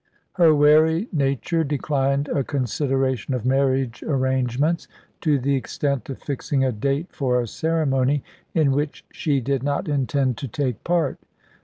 Her wary nature declined a consideration of marriage arrangements, to the extent of fixing a date for a ceremony in which she did not intend to take part.